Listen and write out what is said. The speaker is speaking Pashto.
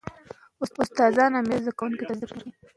که د ښوونځي فضا خوشحاله وي، نو زده کوونکي به خوشاله وي.